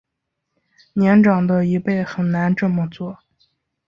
年长的一辈很难这么做